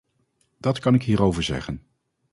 Dat kan ik hierover zeggen.